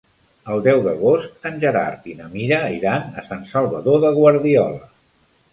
El deu d'agost en Gerard i na Mira iran a Sant Salvador de Guardiola.